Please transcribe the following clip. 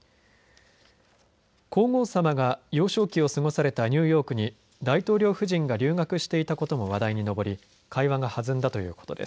皇后さまが幼少期を過ごされたニューヨークに大統領夫人が留学していたことも話題に上り会話が弾んだということです。